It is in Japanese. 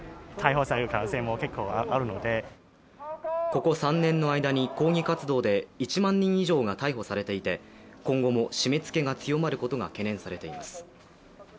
ここ３年の間で抗議活動で１万人以上の人が逮捕されていて、今後も締めつけが強まることが懸念されています。